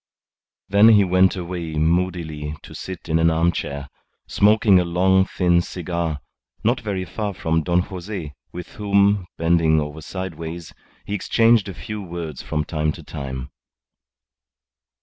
Then he went away moodily to sit in an armchair, smoking a long, thin cigar, not very far from Don Jose, with whom, bending over sideways, he exchanged a few words from time to time.